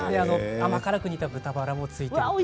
甘辛く煮た豚バラもついてきます。